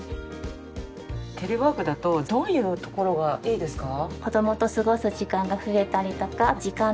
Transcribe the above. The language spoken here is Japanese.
テレワークだとどういうところがいいですか？